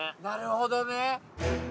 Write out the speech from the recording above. なるほどね。